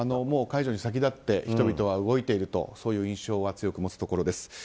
もう解除に先立って人々は動いているという印象を持つところです。